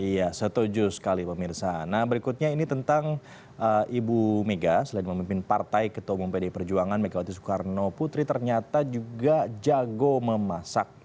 iya setuju sekali pemirsa nah berikutnya ini tentang ibu mega selain memimpin partai ketua umum pdi perjuangan megawati soekarno putri ternyata juga jago memasak